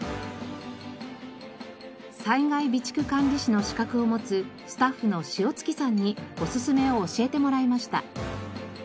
災害備蓄管理士の資格を持つスタッフの塩月さんにおすすめを教えてもらいました。